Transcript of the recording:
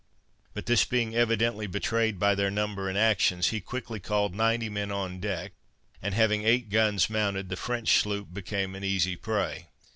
But this being evidently betrayed by their number and actions, he quickly called 90 men on deck, and, having 8 guns mounted, the French sloop became an easy prey.